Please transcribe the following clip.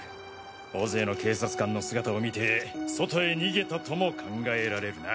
大勢の警察官の姿を見て外へ逃げたとも考えられるな。